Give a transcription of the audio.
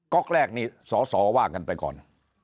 ๊อกแรกนี้สสว่ากันไปก่อน